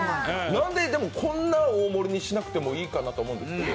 なんででも、こんな大盛りにしなくてもいいんじゃないかなって思うんですけど。